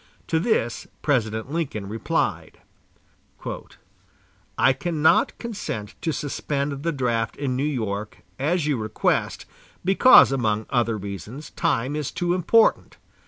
To this President Lincoln replied: "I cannot consent to suspend the draft in New York, as you request, because, among other reasons, time is too important....